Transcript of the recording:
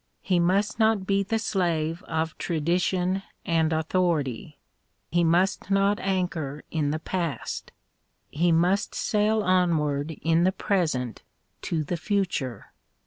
He must not be the slave of tradition and authority : he must not anchor in the past : he must sail onward in the present to the future.